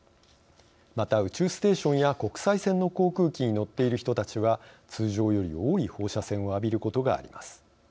また、宇宙ステーションや国際線の航空機に乗っている人たちは通常より多い放射線を浴びることがあります。